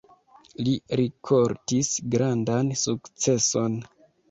Li rikoltis grandan sukceson.